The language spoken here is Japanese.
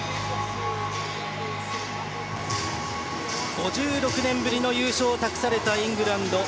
５６年ぶりの優勝を託されたイングランド。